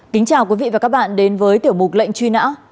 kính chào quý vị và các bạn đến với tiểu mục lệnh truy nã